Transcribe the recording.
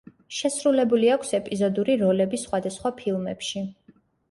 შესრულებული აქვს ეპიზოდური როლები სხვადასხვა ფილმებში.